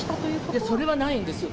いや、それはないですよ。